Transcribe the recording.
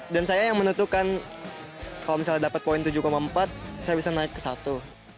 dan saya yang menentukan kalau misalnya dapet poin tujuh empat saya bisa naik ke satu